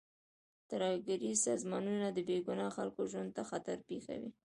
ترهګریز سازمانونه د بې ګناه خلکو ژوند ته خطر پېښوي.